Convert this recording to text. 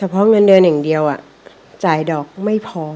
เพราะเงินเดือนอย่างเดียวจ่ายดอกไม่พอ